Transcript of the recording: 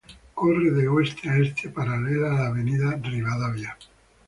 Corre de oeste a este paralela a la avenida Rivadavia.